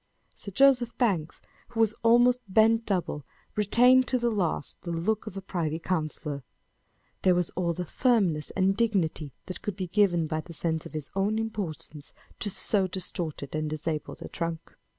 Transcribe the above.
Sir Joseph Banks, who was almost bent double, retained to the last the look of a privy councillor. There was all the firmness and dignity that could be given by the sense of his own importance to so distorted and disabled a trunk.